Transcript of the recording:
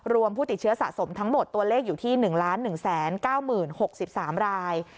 ผู้ติดเชื้อสะสมทั้งหมดตัวเลขอยู่ที่๑๑๙๐๖๓ราย